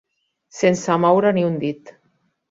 Sense moure ni un dit.